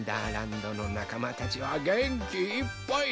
どのなかまたちはげんきいっぱい！